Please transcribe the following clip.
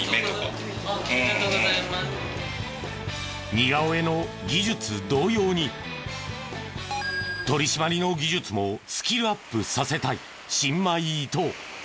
似顔絵の技術同様に取り締まりの技術もスキルアップさせたい新米伊東。